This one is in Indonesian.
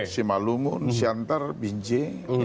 simalungun syantar binje